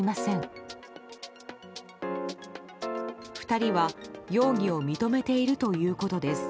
２人は容疑を認めているということです。